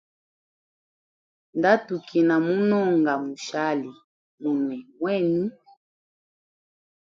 Nda tukina munonga gushali munwe mwenu.